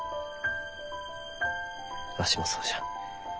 わしもそうじゃ。